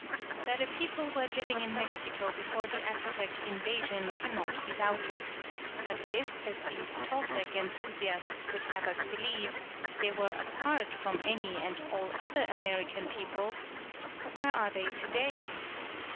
That a people were living in Mexico before the Aztec invasion cannot be doubted; but if, as these Toltec enthusiasts would have us believe, they were apart from any and all other American peoples, where are they to day?